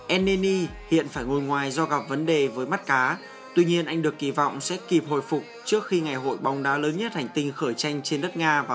enini hiện phải ngồi ngoài do gặp vấn đề với mắt cá tuy nhiên anh được kỳ vọng sẽ kịp hồi phục trước khi ngày hội bóng đá lớn nhất hành tinh khởi tranh trên đất nga vào